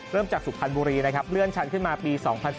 เริ่มจากสุขันบุรีนะครับเลื่อนชั้นขึ้นมาปี๒๐๑๒